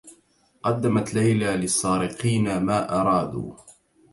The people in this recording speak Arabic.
قدّمت ليلى للسّارقين ما أرادوا.